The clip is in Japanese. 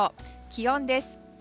気温です。